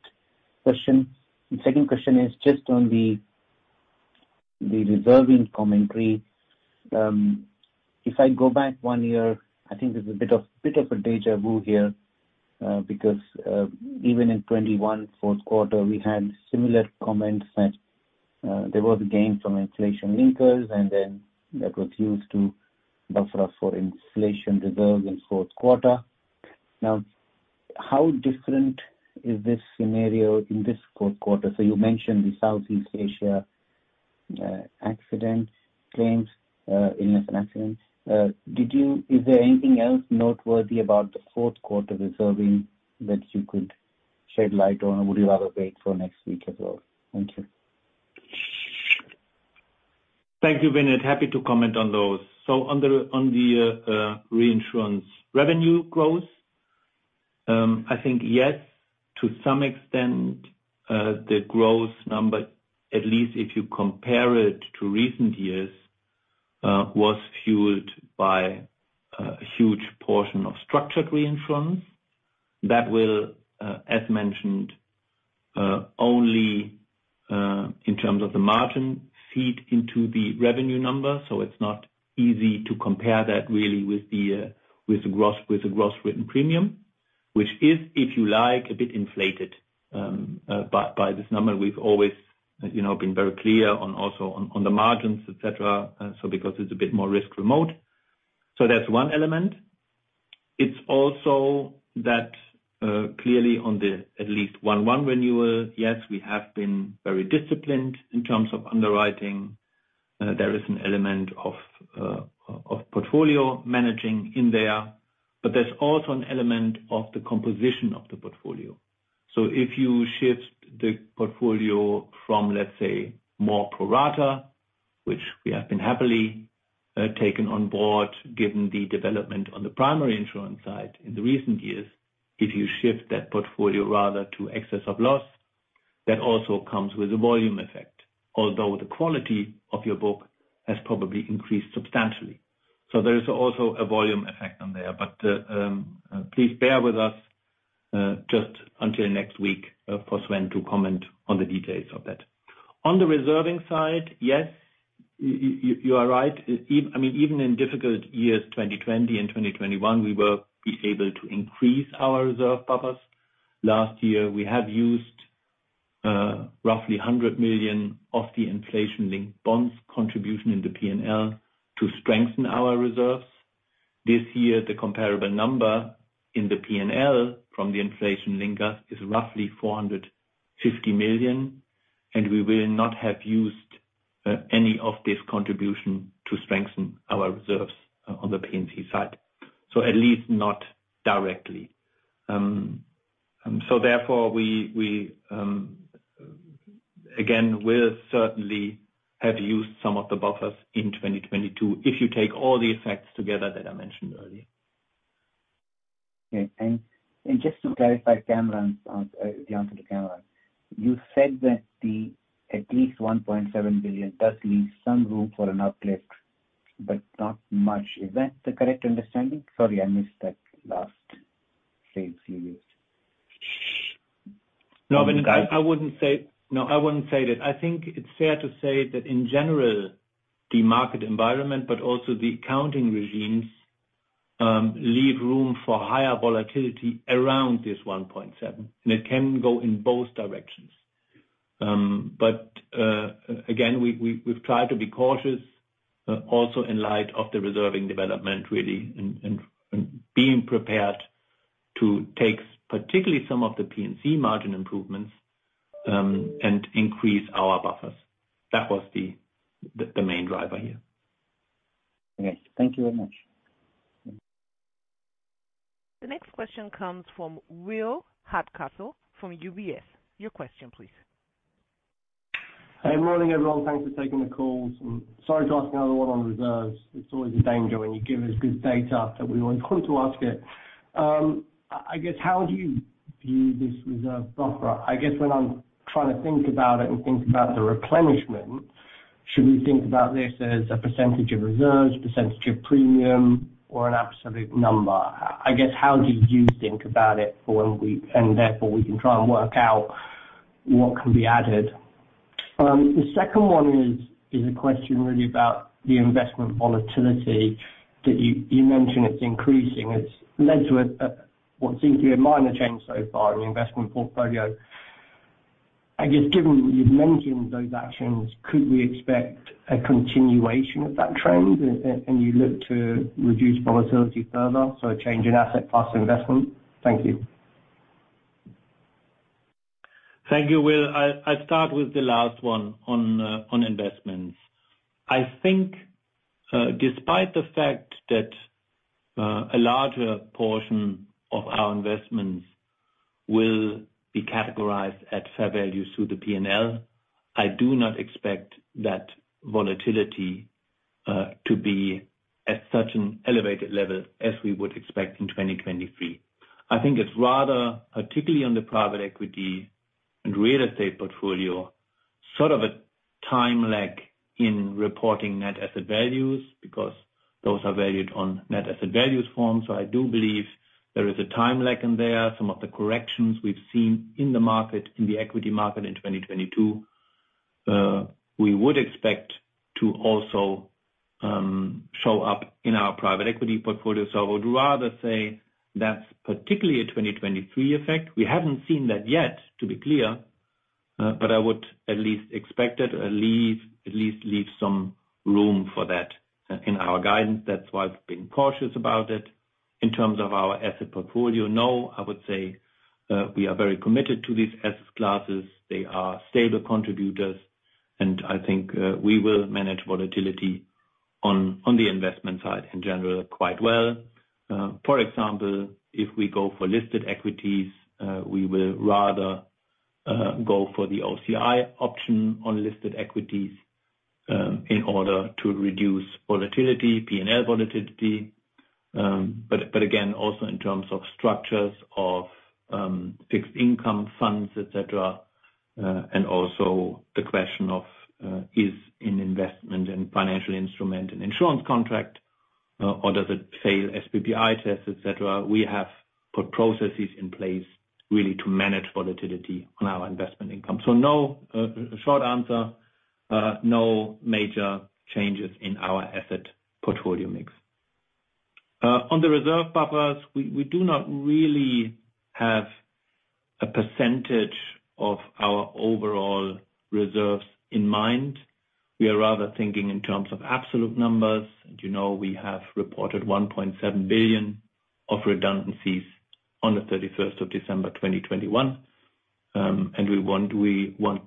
question. The second question is just on the reserving commentary. If I go back one year, I think there's a bit of a deja vu here, because even in 2021 Q4, we had similar comments that there was gains from inflation linkers and then that was used to buffer us for inflation reserve in Q4. How different is this scenario in this quarter? You mentioned the Southeast Asia accident claims in accident. Is there anything else noteworthy about the Q4 reserving that you could shed light on or would you rather wait for next week as well? Thank you.
Thank you, Vinit. Happy to comment on those. On the reinsurance revenue growth, I think, yes, to some extent, the growth number, at least if you compare it to recent years, was fueled by a huge portion of structured reinsurance. That will, as mentioned, only in terms of the margin feed into the revenue numbers. It's not easy to compare that really with the gross written premium, which is, if you like, a bit inflated by this number. We've always, you know, been very clear on, also, on the margins, etc., because it's a bit more risk remote. That's one element. It's also that, clearly on the at least 1/1 renewal, yes, we have been very disciplined in terms of underwriting. There is an element of portfolio managing in there. There's also an element of the composition of the portfolio. If you shift the portfolio from, let's say, more pro rata, which we have been happily taken on board, given the development on the primary insurance side in the recent years. If you shift that portfolio rather to excess of loss, that also comes with a volume effect. Although the quality of your book has probably increased substantially. There is also a volume effect on there. Please bear with us just until next week for Sven to comment on the details of that. On the reserving side, yes, you are right. Even, I mean, even in difficult years, 2020 and 2021, we were able to increase our reserve buffers. Last year, we have used roughly 100 million of the inflation-linked bonds contribution in the P&L to strengthen our reserves. This year, the comparable number in the P&L from the inflation link up is roughly 450 million, and we will not have used any of this contribution to strengthen our reserves on the P&C side. At least not directly. Therefore we again, will certainly have used some of the buffers in 2022 if you take all the effects together that I mentioned earlier.
Okay. Just to clarify Kamran's, the answer to Cameron. You said that the at least 1.7 billion does leave some room for an uplift, but not much. Is that the correct understanding? Sorry, I missed that last phrase you used.
No, I wouldn't say that. I think it's fair to say that in general, the market environment, but also the accounting regimes, leave room for higher volatility around this 1.7, and it can go in both directions. Again, we've tried to be cautious, also in light of the reserving development, really, and being prepared to take particularly some of the P&C margin improvements, and increase our buffers. That was the main driver here.
Okay. Thank you very much.
The next question comes from William Hardcastle from UBS. Your question, please.
Hey, morning, everyone. Thanks for taking the calls. Sorry to ask another one on reserves. It's always a danger when you give us good data that we are inclined to ask it. I guess, how do you view this reserve buffer? I guess when I'm trying to think about it and think about the replenishment, should we think about this as a % of reserves, % of premium or an absolute number? I guess, how do you think about it for when we and therefore we can try and work out what can be added. The second one is a question really about the investment volatility that you mention it's increasing. It's led to a, what seems to be a minor change so far in the investment portfolio. I guess, given you've mentioned those actions, could we expect a continuation of that trend and you look to reduce volatility further, so a change in asset class investment? Thank you.
Thank you, Will. I'll start with the last one on investments. I think, despite the fact that a larger portion of our investments will be categorized at fair value through the P&L, I do not expect that volatility to be at such an elevated level as we would expect in 2023. I think it's rather, particularly on the private equity and real estate portfolio, sort of a time lag in reporting net asset values because those are valued on net asset values forms. I do believe there is a time lag in there. Some of the corrections we've seen in the market, in the equity market in 2022, we would expect to also show up in our private equity portfolio. I would rather say that's particularly a 2023 effect. We haven't seen that yet, to be clear, but I would at least expect it, at least leave some room for that in our guidance. That's why I've been cautious about it. In terms of our asset portfolio, no, I would say, we are very committed to these asset classes. They are stable contributors, and I think, we will manage volatility on the investment side in general, quite well. For example, if we go for listed equities, we will rather go for the OCI option on listed equities, in order to reduce volatility, P&L volatility. Again, also in terms of structures of fixed income funds, et cetera, and also the question of is an investment in financial instrument and insurance contract? Or does it fail SPPI tests, et cetera. We have put processes in place really to manage volatility on our investment income. No, short answer, no major changes in our asset portfolio mix. On the reserve buffers, we do not really have a percentage of our overall reserves in mind. We are rather thinking in terms of absolute numbers. You know, we have reported 1.7 billion of redundancies on the 31st of December 2021. We want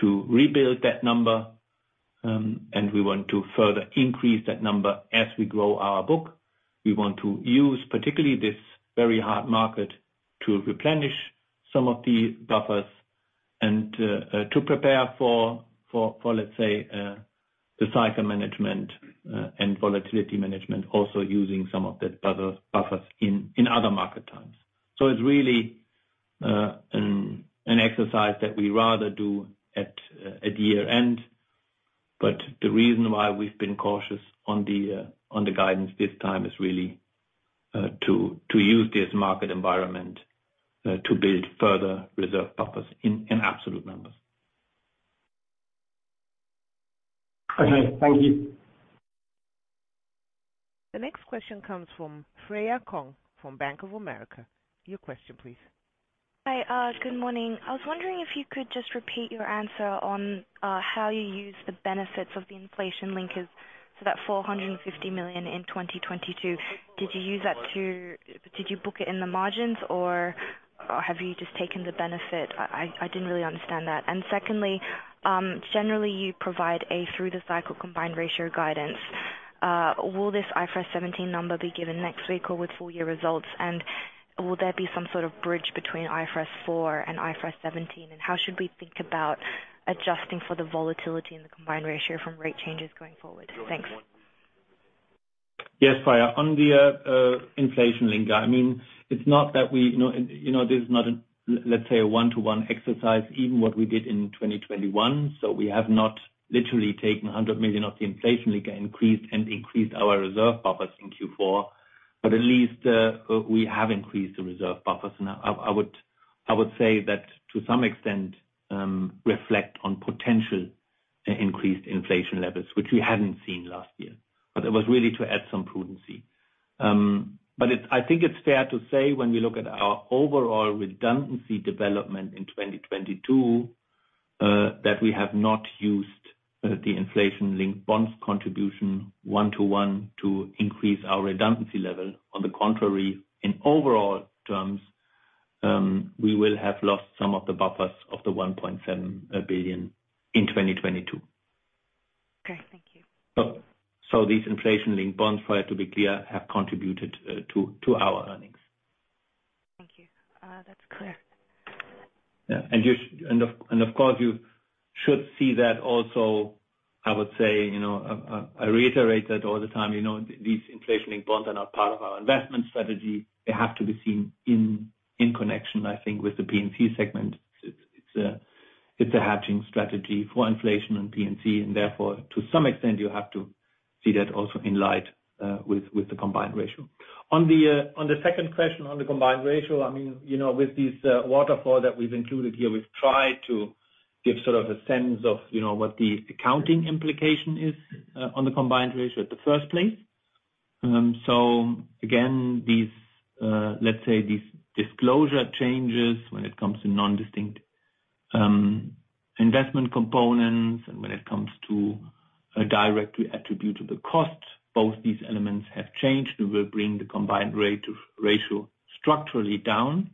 to rebuild that number, and we want to further increase that number as we grow our book. We want to use particularly this very hard market to replenish some of the buffers and to prepare for, let's say, the cycle management, and volatility management, also using some of the buffers in other market times. It's really an exercise that we rather do at year-end. The reason why we've been cautious on the guidance this time is really to use this market environment to build further reserve buffers in absolute numbers.
Okay. Thank you.
The next question comes from Freya Kong from Bank of America. Your question, please.
Hi. Good morning. I was wondering if you could just repeat your answer on how you use the benefits of the inflation linkers. That 450 million in 2022, did you book it in the margins or have you just taken the benefit? I didn't really understand that. Secondly, generally you provide a through the cycle combined ratio guidance. Will this IFRS 17 number be given next week or with full year results? Will there be some sort of bridge between IFRS 4 and IFRS 17? How should we think about adjusting for the volatility in the combined ratio from rate changes going forward? Thanks.
Yes, Freya. On the inflation linker, I mean, it's not that we, you know, this is not, let's say, a one-to-one exercise, even what we did in 2021. We have not literally taken 100 million of the inflation linker increase and increased our reserve buffers in Q4. At least, we have increased the reserve buffers. I would say that to some extent, reflect on potential increased inflation levels, which we hadn't seen last year. It was really to add some prudency. I think it's fair to say when we look at our overall redundancy development in 2022, that we have not used the inflation-linked bonds contribution one-to-one to increase our redundancy level. On the contrary, in overall terms, we will have lost some of the buffers of the 1.7 billion in 2022.
Okay, thank you.
These inflation-linked bonds, Freya, to be clear, have contributed to our earnings.
Thank you. That's clear.
Yeah. Of course, you should see that also, I would say, you know, I reiterate that all the time, you know, these inflation-linked bonds are not part of our investment strategy. They have to be seen in connection, I think, with the P&C segment. It's a hedging strategy for inflation and P&C, and therefore, to some extent, you have to see that also in light with the combined ratio. On the second question on the combined ratio, I mean, you know, with this waterfall that we've included here, we've tried to give sort of a sense of, you know, what the accounting implication is on the combined ratio at the first place. Again, these, let's say, these disclosure changes when it comes to non-distinct investment components and when it comes to a direct attributable cost, both these elements have changed. We will bring the combined ratio structurally down,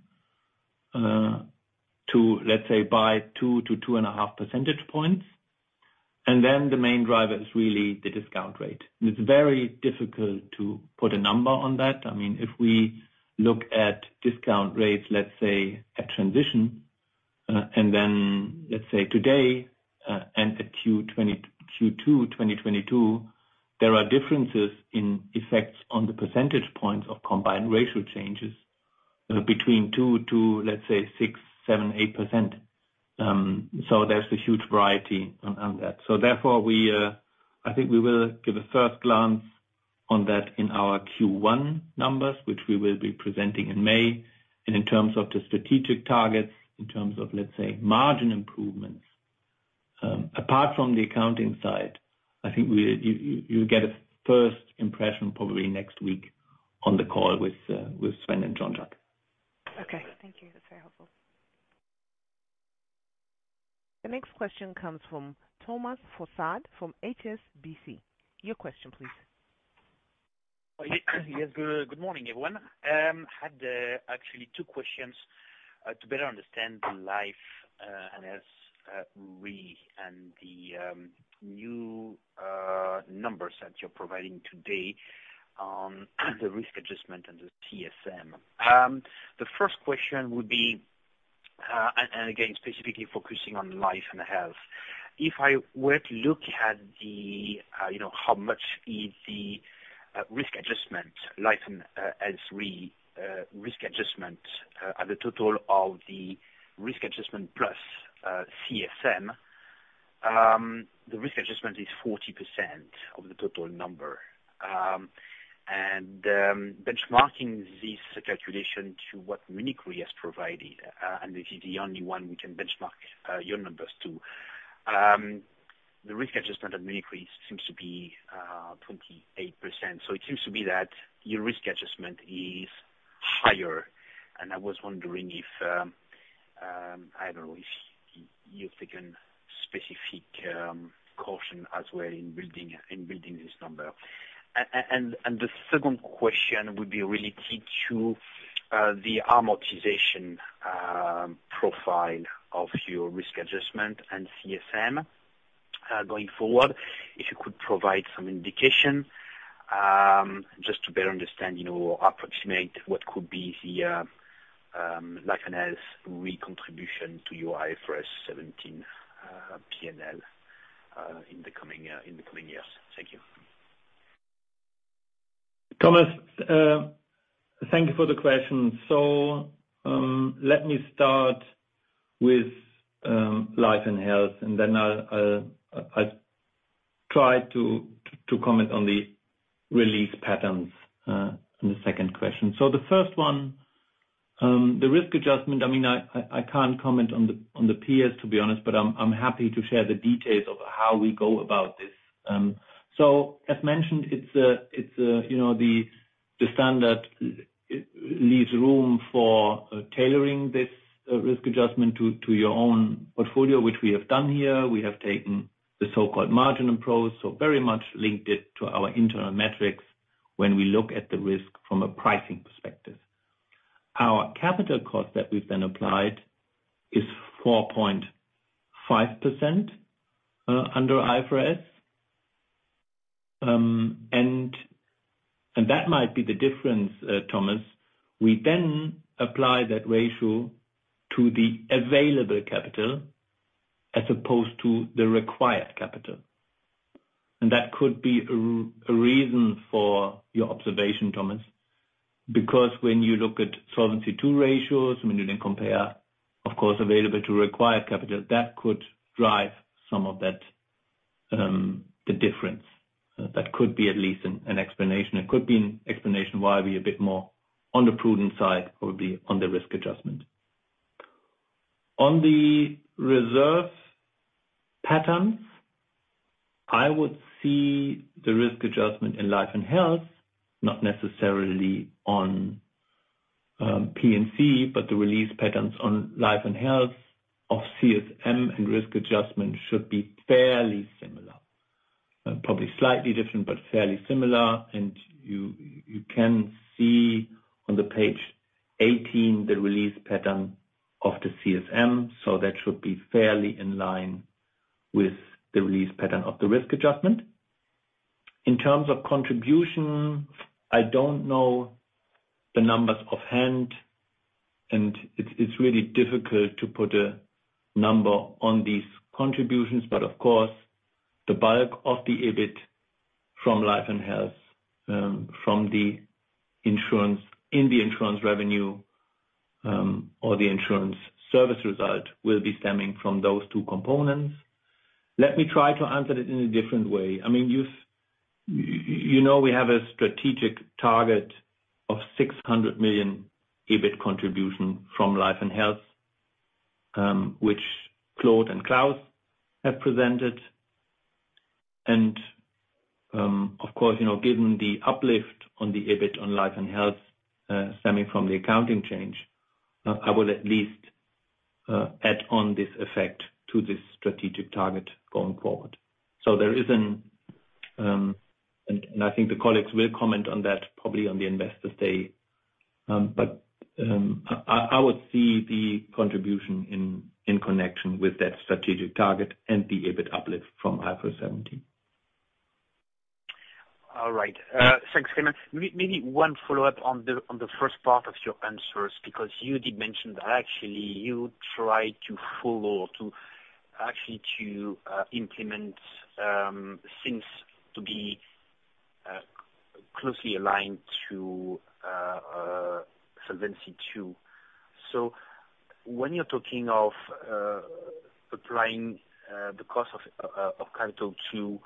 to, let's say, by two to 2.5 percentage points. The main driver is really the discount rate. It's very difficult to put a number on that. I mean, if we look at discount rates, let's say, at transition, and then let's say today, and at Q2 2022, there are differences in effects on the percentage points of combined ratio changes, between two to, let's say, 6, 7, 8%. There's a huge variety on that. Therefore we, I think we will give a first glance on that in our Q1 numbers, which we will be presenting in May. In terms of the strategic targets, in terms of, let's say, margin improvements, apart from the accounting side, I think you'll get a first impression probably next week on the call with Sven and Jean-Jacques.
Okay. Thank you. That's very helpful.
The next question comes from Thomas Fossard from HSBC. Your question, please.
Yes, good morning, everyone. had actually two questions to better understand the life and health Re and the new numbers that you're providing today on the risk adjustment and the CSM. The first question would be and again, specifically focusing on life and health. If I were to look at the, you know, how much is the risk adjustment, life and health Re risk adjustment at the total of the risk adjustment plus CSM. The risk adjustment is 40% of the total number. Benchmarking this calculation to what Munich Re has provided, and this is the only one we can benchmark your numbers to. The risk adjustment at Munich Re seems to be 28%. It seems to be that your risk adjustment is higher. I was wondering if, I don't know, if you've taken specific caution as well in building this number. The second question would be related to the amortization profile of your risk adjustment and CSM going forward. If you could provide some indication, just to better understand, you know, approximate what could be the Life & Health's recontribution to your IFRS 17 P&L in the coming years. Thank you.
Thomas, thank you for the question. Let me start with Life & Health, and then I'll try to comment on the release patterns on the second question. The first one, the risk adjustment, I mean, I can't comment on the peers, to be honest, but I'm happy to share the details of how we go about this. As mentioned, it's, you know, the standard leaves room for tailoring this risk adjustment to your own portfolio, which we have done here. We have taken the so-called margin approach, so very much linked it to our internal metrics when we look at the risk from a pricing perspective. Our capital cost that we've then applied is 4.5% under IFRS. That might be the difference, Thomas. We then apply that ratio to the available capital as opposed to the required capital. That could be a reason for your observation, Thomas. When you look at Solvency II ratios, when you then compare, of course, available to required capital, that could drive some of that, the difference. That could be at least an explanation. It could be an explanation why we a bit more on the prudent side, probably on the risk adjustment. On the reserve patterns, I would see the risk adjustment in Life & Health, not necessarily on P&C, but the release patterns on Life & Health of CSM and risk adjustment should be fairly similar. Probably slightly different, but fairly similar. You can see on the page 18, the release pattern of the CSM. That should be fairly in line with the release pattern of the risk adjustment. In terms of contribution, I don't know the numbers offhand, and it's really difficult to put a number on these contributions. Of course, the bulk of the EBIT from Life & Health, from the insurance, in the insurance revenue, or the insurance service result, will be stemming from those two components. Let me try to answer it in a different way. I mean, you've, you know, we have a strategic target of 600 million EBIT contribution from Life & Health, which Claude and Klaus have presented. Of course, you know, given the uplift on the EBIT on Life & Health, stemming from the accounting change, I will at least add on this effect to this strategic target going forward. There is an, and I think the colleagues will comment on that probably on the Investor Day. I would see the contribution in connection with that strategic target and the EBIT uplift from IFRS 17.
All right. Thanks, Clemens. Maybe one follow-up on the first part of your answers, because you did mention that actually you try to follow to actually implement things to be closely aligned to Solvency II. When you're talking of applying the cost of capital to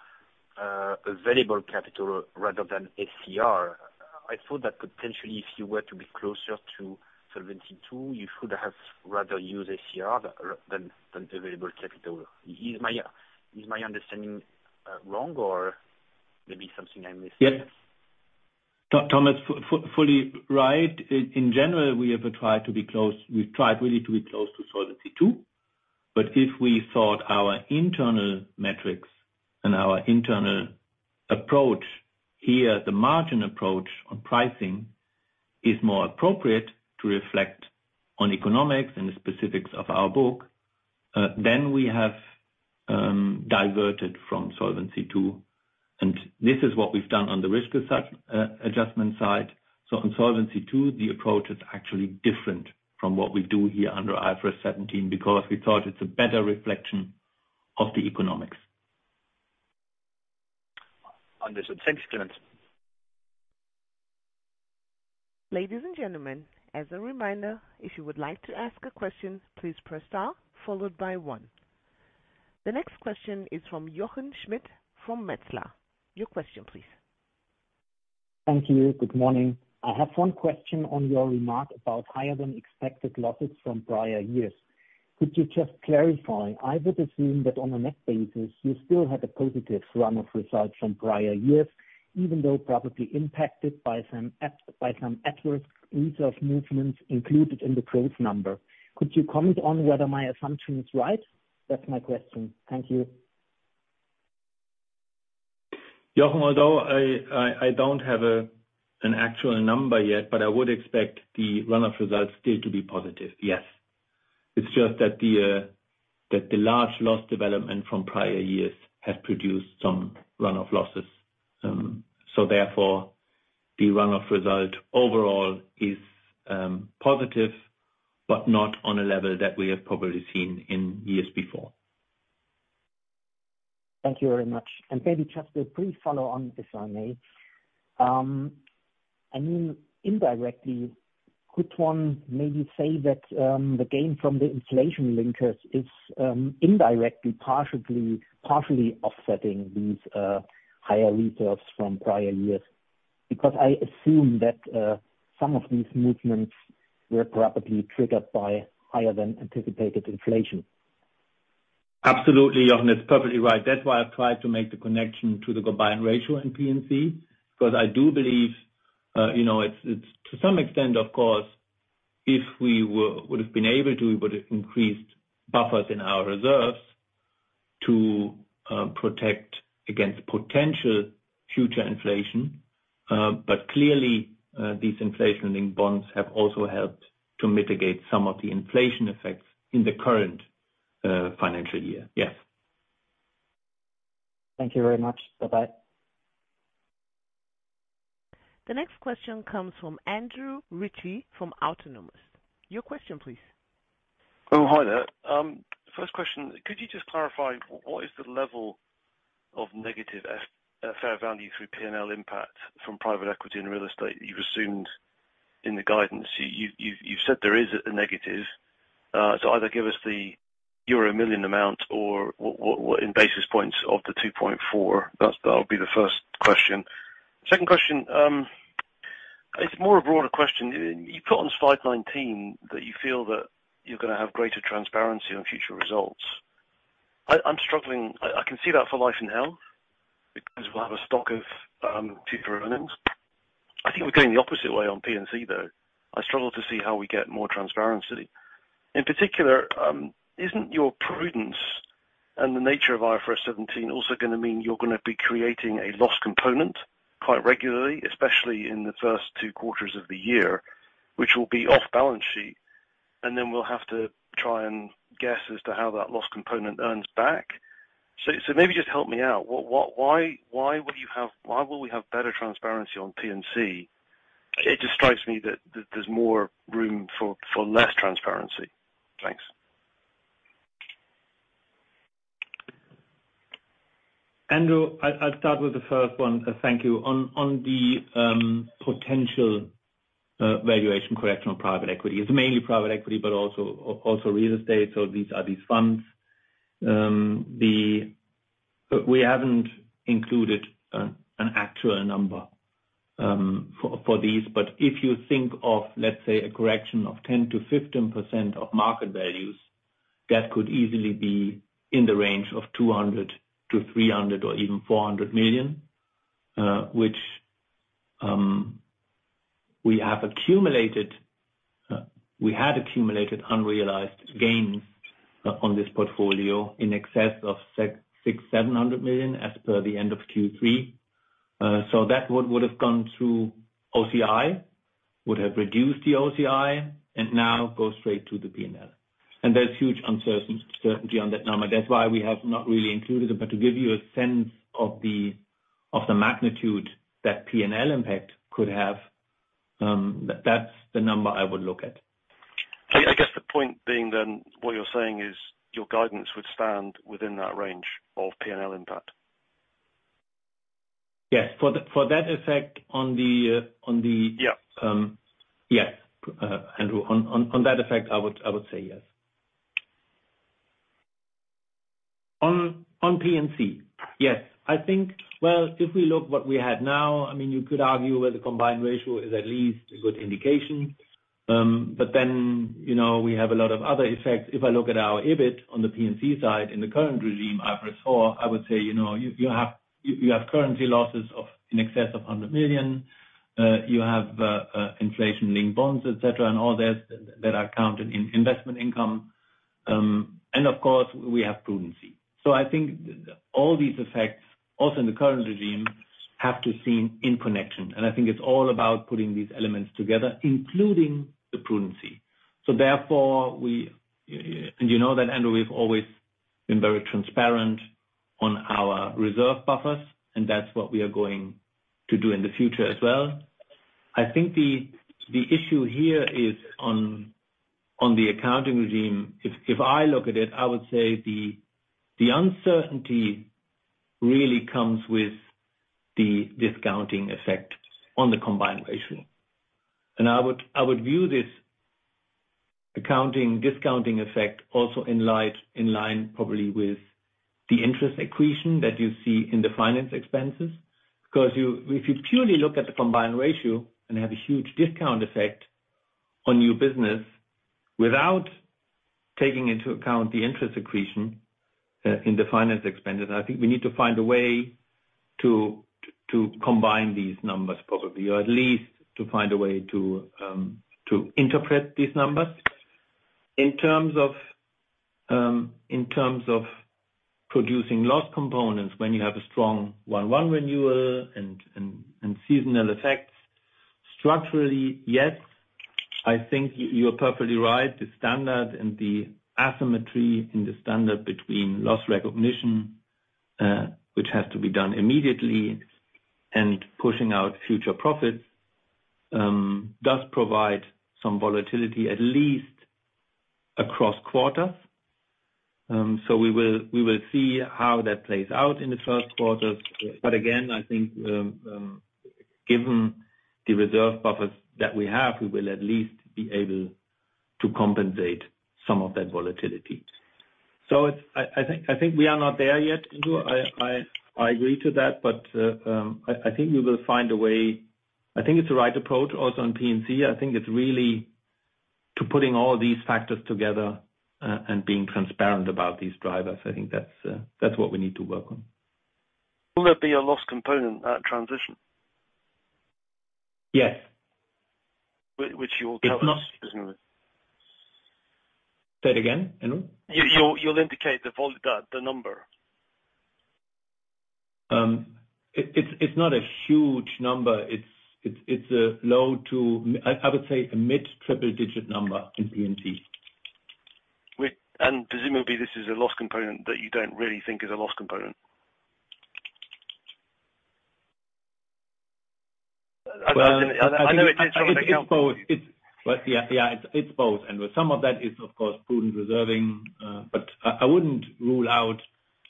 available capital rather than SCR, I thought that potentially if you were to be closer to Solvency II, you should have rather used SCR rather than available capital. Is my understanding wrong or maybe something I'm missing?
Yes. Thomas, fully right. In general, we have tried to be close, we've tried really to be close to Solvency II. If we thought our internal metrics and our internal approach here, the margin approach on pricing, is more appropriate to reflect on economics and the specifics of our book, then we have diverted from Solvency II. This is what we've done on the risk adjustment side. On Solvency II, the approach is actually different from what we do here under IFRS 17, because we thought it's a better reflection of the economics.
Understood. Thanks, Clemens.
Ladies and gentlemen, as a reminder, if you would like to ask a question, please press star followed by one. The next question is from Jochen Schmitt from Metzler. Your question please.
Thank you. Good morning. I have one question on your remark about higher than expected losses from prior years. Could you just clarify? I would assume that on a net basis you still had a positive run of results from prior years, even though probably impacted by some at-risk reserve movements included in the growth number. Could you comment on whether my assumption is right? That's my question. Thank you.
Jochen, although I don't have an actual number yet, but I would expect the run of results still to be positive. Yes. It's just that the large loss development from prior years has produced some run of losses. Therefore, the run of result overall is positive, but not on a level that we have probably seen in years before.
Thank you very much. Maybe just a brief follow on, if I may. I mean indirectly, could one maybe say that the gain from the inflation linkers is indirectly, partially offsetting these higher reserves from prior years? Because I assume that some of these movements were probably triggered by higher than anticipated inflation.
Absolutely, Jochen. That's perfectly right. That's why I've tried to make the connection to the combined ratio in P&C. I do believe, you know, it's to some extent, of course, if we would have been able to, we would have increased buffers in our reserves to protect against potential future inflation. Clearly, these inflation-linked bonds have also helped to mitigate some of the inflation effects in the current financial year. Yes.
Thank you very much. Bye-bye.
The next question comes from Andrew Ritchie from Autonomous. Your question please.
Hi there. First question. Could you just clarify what is the level of negative fair value through P&L impact from private equity and real estate you've assumed in the guidance? You've said there is a negative. Either give us the euro million amount or what in basis points of the 2.4. That would be the first question. Second question, it's more a broader question. You put on slide 19 that you feel that you're gonna have greater transparency on future results. I'm struggling. I can see that for life and health because we'll have a stock of future earnings. I think we're going the opposite way on P&C, though. I struggle to see how we get more transparency. In particular, isn't your prudence and the nature of IFRS 17 also gonna mean you're gonna be creating a loss component quite regularly, especially in the first two quarters of the year, which will be off balance sheet, and then we'll have to try and guess as to how that loss component earns back. so maybe just help me out. Why will we have better transparency on P&C? It just strikes me that there's more room for less transparency. Thanks.
Andrew, I'll start with the first one. Thank you. On the potential valuation correction on private equity. It's mainly private equity but also real estate, so these are these funds. We haven't included an actual number for these. If you think of, let's say, a correction of 10%-15% of market values, that could easily be in the range of 200 million-300 million or even 400 million, which we have accumulated, we had accumulated unrealized gains on this portfolio in excess of 700 million as per the end of Q3. That would have gone through OCI, would have reduced the OCI, and now goes straight to the P&L. There's huge uncertainty on that number. That's why we have not really included it. To give you a sense of the, of the magnitude that P&L impact could have, that's the number I would look at.
I guess the point being then what you're saying is your guidance would stand within that range of P&L impact.
Yes. For the, for that effect on the.
Yeah.
Yes, Andrew. On that effect, I would say yes. On P&C. Yes. I think, well, if we look what we had now, I mean, you could argue whether the combined ratio is at least a good indication. You know, we have a lot of other effects. If I look at our EBIT on the P&C side in the current regime, IFRS 4, I would say, you know, you have currency losses of in excess of 100 million. You have inflation-linked bonds, et cetera, and all this that are counted in investment income. Of course, we have prudency. I think all these effects, also in the current regime, have to seen in connection. I think it's all about putting these elements together, including the prudency. Therefore, we... You know that, Andrew, we've always been very transparent on our reserve buffers, and that's what we are going to do in the future as well. I think the issue here is on the accounting regime. If I look at it, I would say the uncertainty really comes with the discounting effect on the combined ratio. I would view this accounting discounting effect also in line, probably with the interest accretion that you see in the finance expenses. If you purely look at the combined ratio and have a huge discount effect on your business without taking into account the interest accretion in the finance expenses, I think we need to find a way to combine these numbers, probably, or at least to find a way to interpret these numbers. In terms of, in terms of producing loss components when you have a strong one renewal and seasonal effects. Structurally, yes, I think you're perfectly right. The standard and the asymmetry in the standard between loss recognition, which has to be done immediately, and pushing out future profits, does provide some volatility, at least across quarters. We will see how that plays out in the Q1. Again, I think, given the reserve buffers that we have, we will at least be able to compensate some of that volatility. I think we are not there yet, Andrew. I agree to that. I think we will find a way. I think it's the right approach also on P&C. I think it's really to putting all these factors together, and being transparent about these drivers. I think that's what we need to work on.
Will there be a loss component at transition?
Yes.
Which you will tell us, isn't it?
Say it again, Andrew.
You'll indicate the number.
It's not a huge number. It's a low to, I would say a mid triple digit number in P&C.
Presumably this is a loss component that you don't really think is a loss component.
Well, I think it's both.
I know it is something that counts.
Well, yeah, it's both. Some of that is, of course, prudent reserving. I wouldn't rule out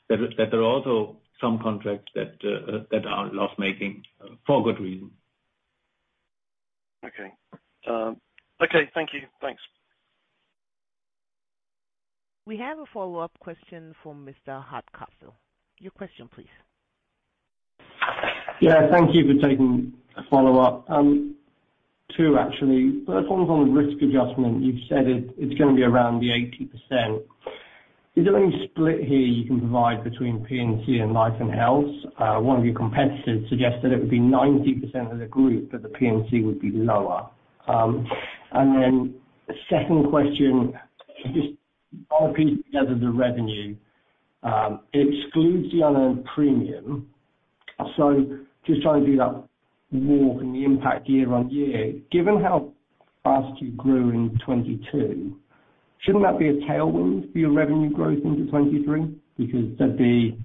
that there are also some contracts that are loss making for good reason.
Okay. Okay. Thank you. Thanks.
We have a follow-up question from Mr. Hardcastle. Your question, please.
Yeah. Thank you for taking a follow-up. Two, actually. First one's on risk adjustment. You've said it's gonna be around the 80%. Is there any split here you can provide between P&C and life and health? One of your competitors suggested it would be 90% of the group, but the P&C would be lower. Second question, just RP together the revenue, excludes the unearned premium. Just trying to do that walk and the impact year-on-year. Given how fast you grew in 2022, shouldn't that be a tailwind for your revenue growth into 2023? Because that'd be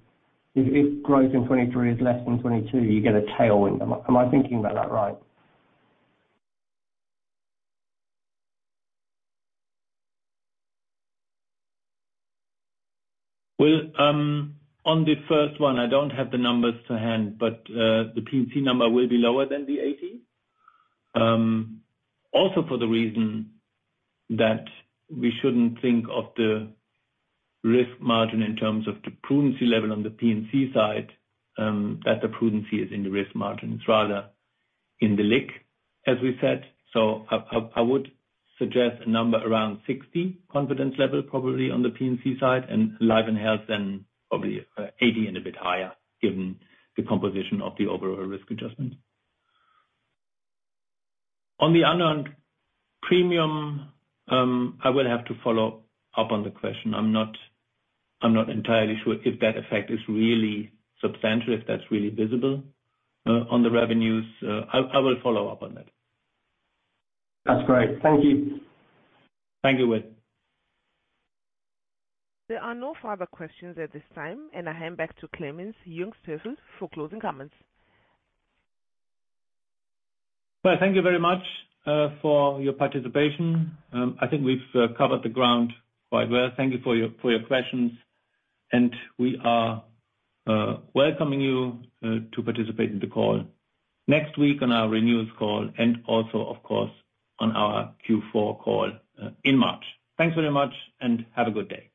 If growth in 2023 is less than 2022, you get a tailwind. Am I thinking about that right?
On the first one, I don't have the numbers to hand, but the P&C number will be lower than the 80. For the reason that we shouldn't think of the risk margin in terms of the prudence level on the P&C side, that the prudence here is in the risk margin. It's rather in the LIC, as we said. I would suggest a number around 60 confidence level, probably on the P&C side, and life and health then probably 80 and a bit higher given the composition of the overall risk adjustment. On the unearned premium, I will have to follow up on the question. I'm not entirely sure if that effect is really substantial, if that's really visible, on the revenues. I will follow up on that.
That's great. Thank you.
Thank you, Will.
There are no further questions at this time. I hand back to Clemens Jungsthöfel for closing comments.
Well, thank you very much for your participation. I think we've covered the ground quite well. Thank you for your questions. We are welcoming you to participate in the call next week on our renewables call, and also, of course, on our Q4 call in March. Thanks very much and have a good day.